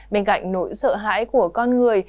bên cạnh nỗi sợ hãi của con người